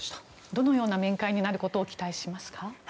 どのような面会になることを予想されますか。